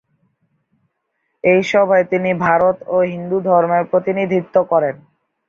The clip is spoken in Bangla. এই সভায় তিনি ভারত ও হিন্দুধর্মের প্রতিনিধিত্ব করেন।